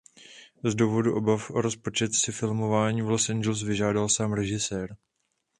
Z důvodu obav o rozpočet si filmování v Los Angeles vyžádal sám režisér.